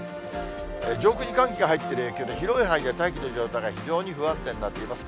上空に寒気が入ってる影響で広い範囲で大気の状態が非常に不安定になっています。